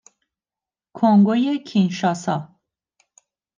کنگوی کینشاسا